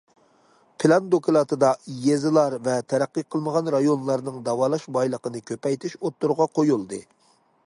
پىلان دوكلاتىدا يېزىلار ۋە تەرەققىي قىلمىغان رايونلارنىڭ داۋالاش بايلىقىنى كۆپەيتىش ئوتتۇرىغا قويۇلدى.